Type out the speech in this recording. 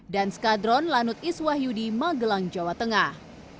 dan skadron lanut iswahyudi magelang jawa tengah